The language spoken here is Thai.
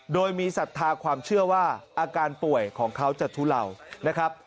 โดยมีศรัทธาความเชื่อว่าอาการป่วยของเขาจะทุเลานะครับ